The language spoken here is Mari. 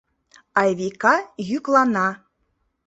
— Айвика йӱклана.